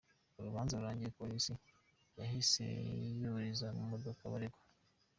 Urubanza rurangiye, Polisi yahisecyuriza mu modoka abaregwa.